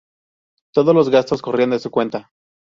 Todos los gastos corrían de su cuenta.